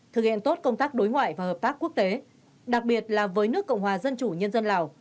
thực hiện tốt công tác đối ngoại và hợp tác quốc tế đặc biệt là với nước cộng hòa dân chủ nhân dân lào